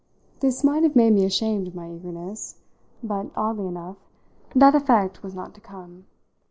This might have made me ashamed of my eagerness, but, oddly enough, that effect was not to come.